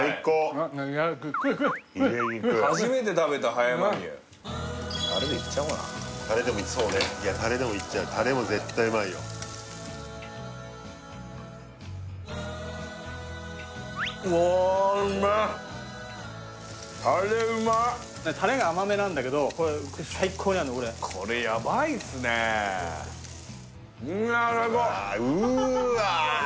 うんうまっタレでいっちゃおうかなタレでもそうねいやタレでもいっちゃうタレも絶対うまいよタレうまっタレが甘めなんだけどこれ最高に合うのこれこれやばいっすねうわ！